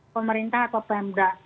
pemerintah atau pmd